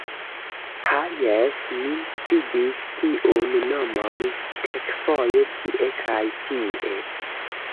Ha jes, mi vidis tiun nomon kelkfoje tie kaj tie.